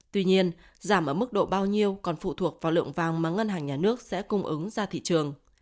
tuy nhiên giảm ở mức độ bao nhiêu còn phụ thuộc vào lượng vàng mà ngân hàng nhà nước sẽ cung ứng ra thị trường